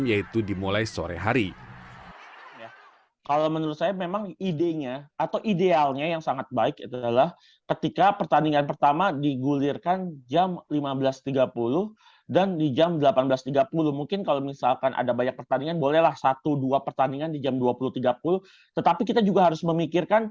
yaitu dimulai sore hari